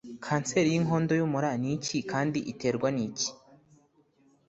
Kanseri y'inkondo y'umura ni iki kandi iterwa n'iki?